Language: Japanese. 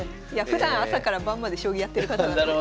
ふだん朝から晩まで将棋やってる方なんで。